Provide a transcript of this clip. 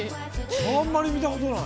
あんまり見たことない。